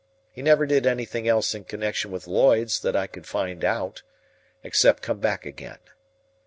He never did anything else in connection with Lloyd's that I could find out, except come back again.